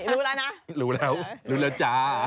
รู้แล้วนะรู้แล้วรู้แล้วจ้า